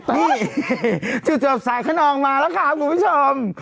นี่จุดจบสายขนองมาแล้วค่ะคุณผู้ชม